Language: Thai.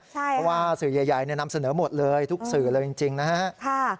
เพราะว่าสื่อใหญ่นำเสนอหมดเลยทุกสื่อเลยจริงนะฮะ